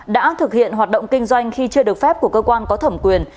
đã thực hiện hoạt động kinh doanh khi chưa được phép của cơ quan có thẩm quyền